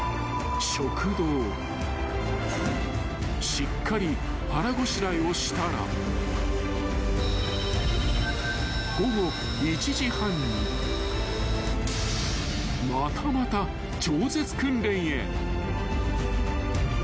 ［しっかり腹ごしらえをしたら午後１時半にまたまた超絶訓練へ］